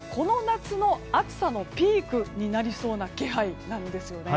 というように、今週はこの夏の暑さのピークになりそうな気配なんです。